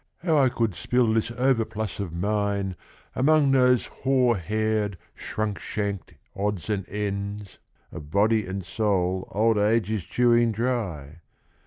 How I could spill this overplus of mine Among those hoar haired, shrunk shanked odds and ends Of body and soul old age is chewing dry